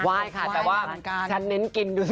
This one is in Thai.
คุณว่ายค่ะแต่ว่าฉันเน้นกินดูสิ